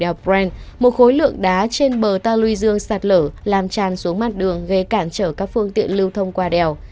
đèo bren một khối lượng đá trên bờ ta luy dương sạt lở làm tràn xuống mặt đường gây cản trở các phương tiện lưu thông qua đèo